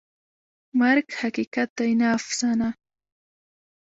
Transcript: مرګ حقیقت دی، نه افسانه.